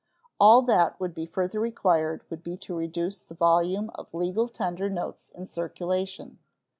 All that would be further required would be to reduce the volume of legal tender notes in circulation.